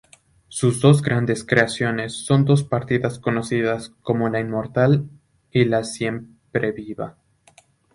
Sus dos grandes creaciones son dos partidas conocidas como "La inmortal" y "La siempreviva".